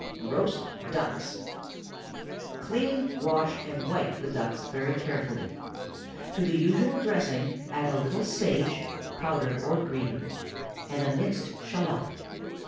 ROAST DUCKS. Clean, wash, and wipe the ducks very carefully. To the usual dressing add a little sage (powdered or green), and a minced shallot.